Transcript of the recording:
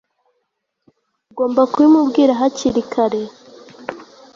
Ugomba kubimubwira hakiri kare